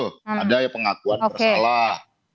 kan begitu ada ya pengakuan bersalah